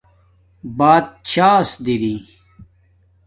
باتشاس دِری